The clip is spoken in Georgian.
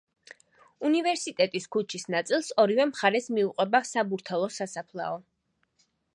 უნივერსიტეტის ქუჩის ნაწილს ორივე მხარეს მიუყვება საბურთალოს სასაფლაო.